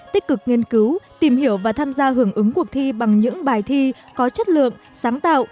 tích cực nghiên cứu tìm hiểu và tham gia hưởng ứng cuộc thi bằng những bài thi có chất lượng sáng tạo